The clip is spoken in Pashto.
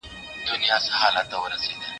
چي پاچا سو انتخاب فیصله وسوه